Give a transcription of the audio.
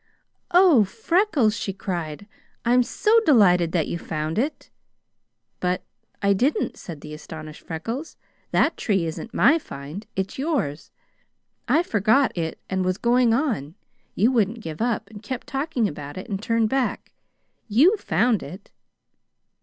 "Oh, Freckles," she cried, "I'm so delighted that you found it!" "But I didn't," said the astonished Freckles. "That tree isn't my find; it's yours. I forgot it and was going on; you wouldn't give up, and kept talking about it, and turned back. You found it!"